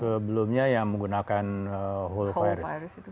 sebelumnya yang menggunakan whole virus